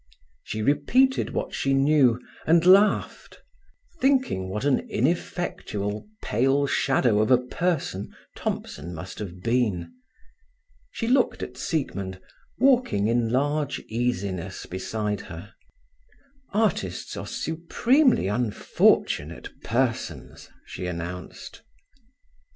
She repeated what she knew, and laughed, thinking what an ineffectual pale shadow of a person Thompson must have been. She looked at Siegmund, walking in large easiness beside her. "Artists are supremely unfortunate persons," she announced.